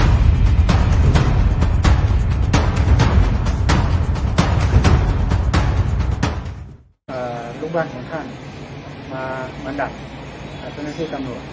อ่าลูกบ้านของท่านมาบันดัดอ่าชนิดที่ตำรวจ